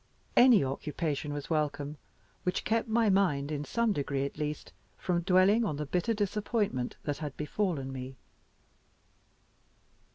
Any occupation was welcome which kept my mind, in some degree at least, from dwelling on the bitter disappointment that had befallen me.